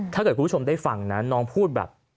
ถ้าเกิดคุณผู้ชมได้ฟังนะน้องพูดแบบ